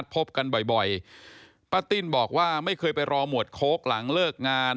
พบกันบ่อยป้าติ้นบอกว่าไม่เคยไปรอหมวดโค้กหลังเลิกงาน